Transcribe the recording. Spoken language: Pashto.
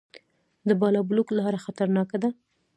د بالابلوک لاره خطرناکه ده